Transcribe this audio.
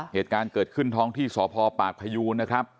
เหตุการณ์เกิดขึ้นท้องที่สพปากพยูนนะครับ